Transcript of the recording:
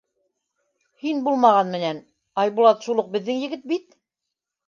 — Һин булмаған менән, Айбулат шул уҡ беҙҙең егет бит.